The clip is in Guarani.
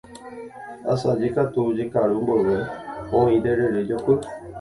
Asaje katu, jekaru mboyve, oĩ terere jopy.